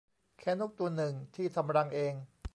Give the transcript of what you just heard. แค่นกตัวหนึ่งที่ทำรังเอง